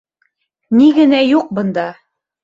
Ни генә юҡ бында!